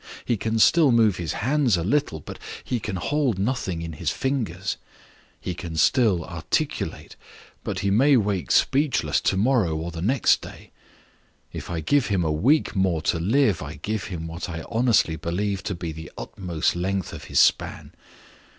He can still move his hands a little, but he can hold nothing in his fingers. He can still articulate, but he may wake speechless to morrow or next day. If I give him a week more to live, I give him what I honestly believe to be the utmost length of his span.